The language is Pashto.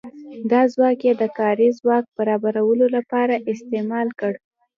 دا ځواک یې د کاري ځواک برابرولو لپاره استعمال کړ.